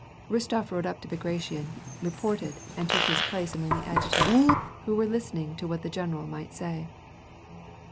Rostof rode up to Bagra tion, reported, and took his place among the adjutants, who were listening to what the generals might say.